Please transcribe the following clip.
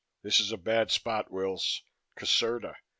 This is a bad spot, Wills. Caserta.